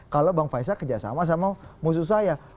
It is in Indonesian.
kalau bang faisal kerjasama sama musuh saya